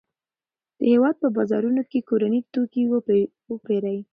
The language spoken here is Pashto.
د هېواد په بازارونو کې کورني توکي وپیرئ.